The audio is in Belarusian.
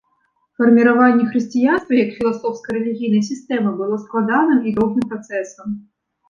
Фарміраванне хрысціянства як філасофска-рэлігійнай сістэмы было складаным і доўгім працэсам.